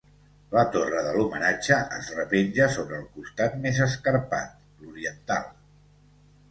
La torre de l'homenatge es repenja sobre el costat més escarpat, l'oriental.